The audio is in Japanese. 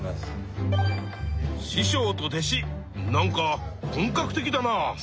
師匠と弟子なんか本格的だな。